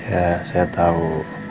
ya saya tahu